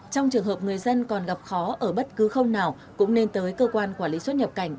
trong trường hợp người dân còn gặp khó ở bất cứ không nào cũng nên tới cơ quan quản lý xuất nhập cảnh